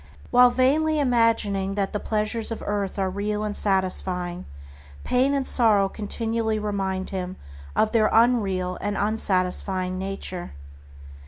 While vainly imagining that the pleasures of earth are real and satisfying, pain and sorrow continually remind him of their unreal and unsatisfying nature.